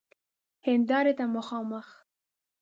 هیندارې ته مخامخ